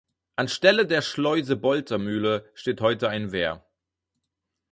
An Stelle der Schleuse Bolter Mühle steht heute ein Wehr.